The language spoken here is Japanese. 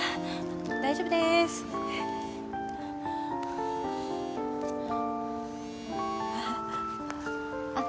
大丈夫です。ああ。